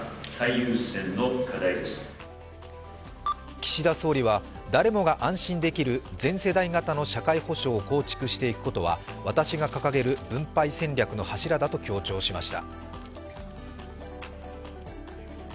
岸田総理は誰もが安心できる全世代型の社会保障を構築していくことは私が掲げる分配戦略の柱だと強調しました。